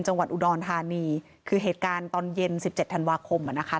จังหวัดอุดรธานีคือเหตุการณ์ตอนเย็นสิบเจ็ดธันวาคมอ่ะนะคะ